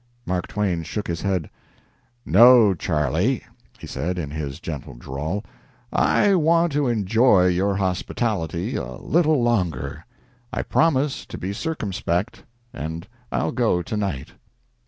Mark Twain shook his head. "No, Charlie," he said, in his gentle drawl. "I want to enjoy your hospitality a little longer. I promise to be circumspect, and I'll go to night."